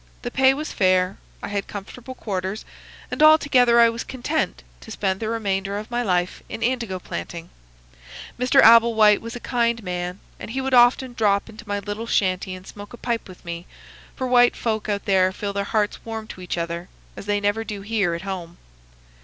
The pay was fair, I had comfortable quarters, and altogether I was content to spend the remainder of my life in indigo planting. Mr. Abel White was a kind man, and he would often drop into my little shanty and smoke a pipe with me, for white folk out there feel their hearts warm to each other as they never do here at home.